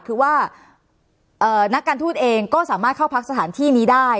คือว่านักการทูตเองก็สามารถเข้าพักสถานที่นี้ได้